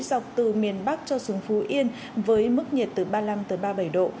dọc từ miền bắc cho xuống phú yên với mức nhiệt từ ba mươi năm ba mươi bảy độ